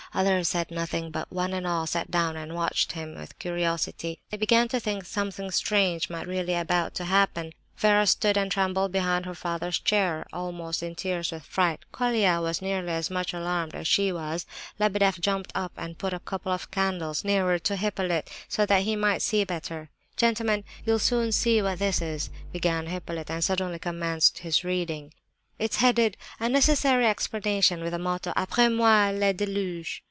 Others said nothing; but one and all sat down and watched with curiosity. They began to think something strange might really be about to happen. Vera stood and trembled behind her father's chair, almost in tears with fright; Colia was nearly as much alarmed as she was. Lebedeff jumped up and put a couple of candles nearer to Hippolyte, so that he might see better. "Gentlemen, this—you'll soon see what this is," began Hippolyte, and suddenly commenced his reading. "It's headed, 'A Necessary Explanation,' with the motto, '_Après moi le déluge!